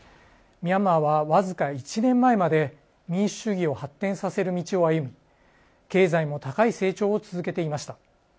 ミャンマーは僅か１年前まで民主化を発展させる道を歩み経済の高い成長を続けていました。